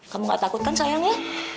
kamu gak takut kan sayangnya